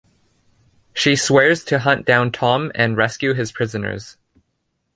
She swears to hunt down Tom and rescue his prisoners.